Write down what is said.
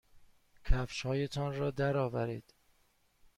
کفشهایتان را درآورید.